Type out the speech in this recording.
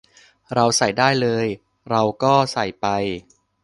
เราใส่ได้เลย เราก็ใส่ไป